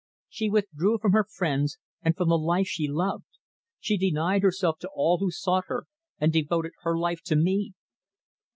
She withdrew from her friends and from the life she loved she denied herself to all who sought her and devoted her life to me.